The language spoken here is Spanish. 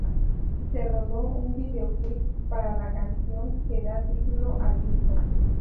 Se rodó un videoclip para la canción que da título al disco.